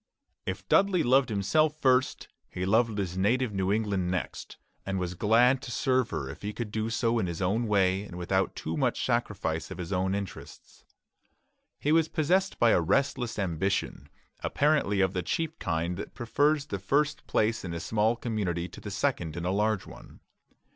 If Dudley loved himself first, he loved his native New England next, and was glad to serve her if he could do so in his own way and without too much sacrifice of his own interests. He was possessed by a restless ambition, apparently of the cheap kind that prefers the first place in a small community to the second in a large one.